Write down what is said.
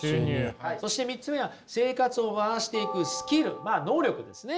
そして３つ目は生活を回していくスキルまあ能力ですね。